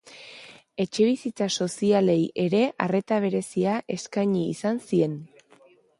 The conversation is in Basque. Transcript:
Etxebizitza sozialei ere arreta berezia eskaini izan zien.